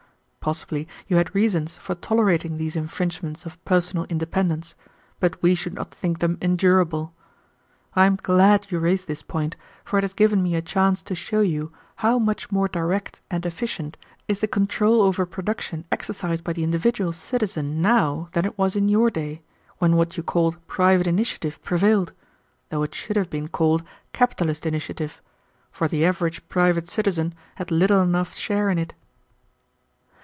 Possibly you had reasons for tolerating these infringements of personal independence, but we should not think them endurable. I am glad you raised this point, for it has given me a chance to show you how much more direct and efficient is the control over production exercised by the individual citizen now than it was in your day, when what you called private initiative prevailed, though it should have been called capitalist initiative, for the average private citizen had little enough share in it."